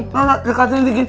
nona cekacen dikit